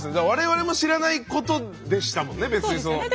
我々も知らないことでしたもんね別に。